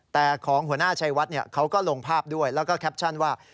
แต่ของหัวหน้าชัยวัดเขาก็ลงภาพด้วยแล้วก็แคปชั่นว่า